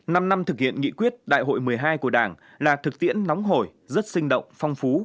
năm năm thực hiện nghị quyết đại hội một mươi hai của đảng là thực tiễn nóng hổi rất sinh động phong phú